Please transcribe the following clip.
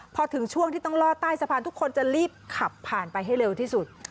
พอถึงช่วงที่ต้องลอดใต้สะพานทุกคนจะรีบขับผ่านไปให้เร็วที่สุด